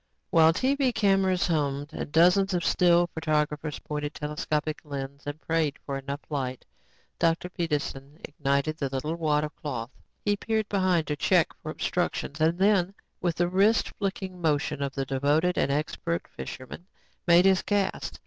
While TV cameras hummed and dozens of still photographers pointed telescopic lenses and prayed for enough light, Dr. Peterson ignited the little wad of cloth. He peered behind to check for obstructions and then, with the wrist flicking motion of the devoted and expert fisherman, made his cast.